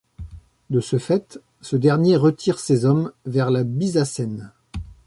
De ce fait, ce dernier retire ses hommes vers la Byzacène.